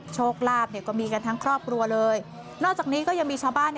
โชคลาภก็มีกันทั้งครอบครัวเลยนอกจากนี้ก็ยังมีชาวบ้าน